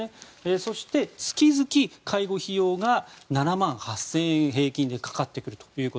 そして、月々介護費用が７万８０００円平均でかかってくると。